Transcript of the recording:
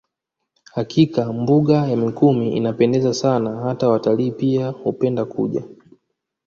Hakika mbuga ya Mikumi inapendeza sana hata watalii pia hupendelea kuja